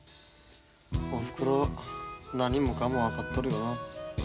おふくろ何もかも分かっとるよのう。